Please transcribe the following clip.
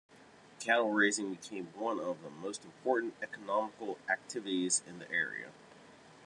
Cattle raising became one of the most important economic activities in the area.